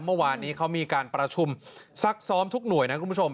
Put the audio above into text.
เมื่อวานนี้เขามีการประชุมซักซ้อมทุกหน่วยนะคุณผู้ชม